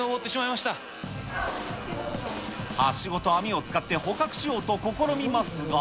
はしごと網を使って捕獲しようと試みますが。